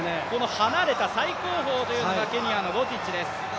離れた最後方というのがケニアのロティッチです。